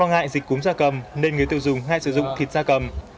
giá cầm nên người tiêu dùng hay sử dụng thịt giá cầm